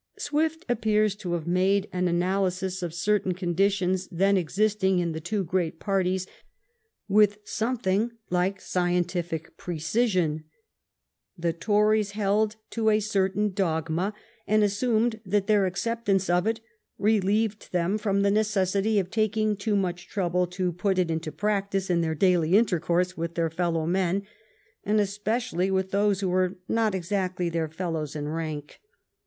Swift appears to have made an analysis of certain conditions then existing in the two great parties with something like scientific precision. The Tories held to a certain dogma, and assumed that their acceptance of it relieved them from the necessity of taking too much trouble to put it into practice in their daily inter course with their fellow men, and especially with those who were not exactly their fellows in rank.